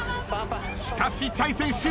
しかしチャイ選手。